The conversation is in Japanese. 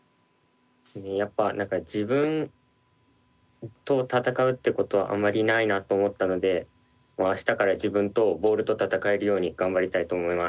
やっぱ何か自分と戦うってことはあまりないなと思ったので明日から自分とボールと戦えるように頑張りたいと思います。